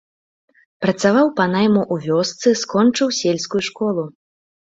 Працаваў па найму ў вёсцы, скончыў сельскую школу.